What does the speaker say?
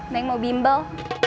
neng mau bimbel